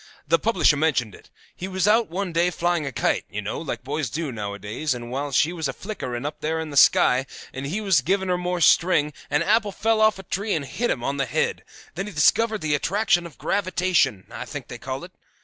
The publisher mentioned it. He was out one day flying a kite, you know, like boys do nowadays, and while she was a flickering up in the sky, and he was giving her more string, an apple fell off a tree and hit him on the head; then he discovered the attraction of gravitation, I think they call it.